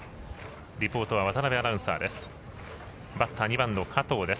リポートは渡辺アナウンサーです。